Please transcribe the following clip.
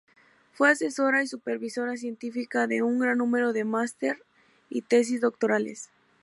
Fue asesora y supervisora científica de un gran número de máster y tesis doctorales.